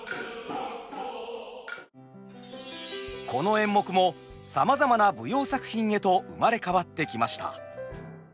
この演目もさまざまな舞踊作品へと生まれ変わってきました。